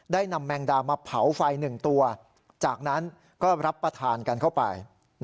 นำแมงดามาเผาไฟ๑ตัวจากนั้นก็รับประทานกันเข้าไป